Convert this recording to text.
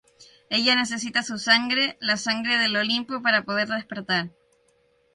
Ella necesita su sangre, la sangre del Olimpo, para poder despertar.